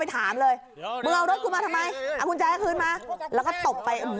ไปถามเลยมึงเอารถมาทำไมเอาคุณใจคืนมาแล้วก็ตกไปหรือ